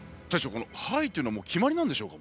この「はーい」というのはもう決まりなんでしょうか？